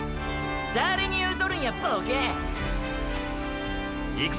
⁉誰に言うとるんやボケ！！いくぞ！！